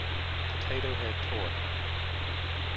Potato Head toy.